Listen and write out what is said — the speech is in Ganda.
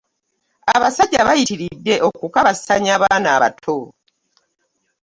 Abasajja bayitiridde okukabasanya abaana abato